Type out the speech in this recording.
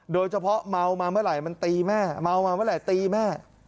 โดยเฉพาะเมามาเมื่อไหร่มันตีแม่เมามาเมื่อไหร่ตีแม่